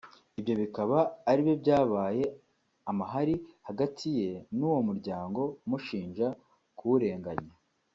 ibyo bikaba ari byo byabyaye amahari hagati ye n’uwo muryango umushinja kuwurenganya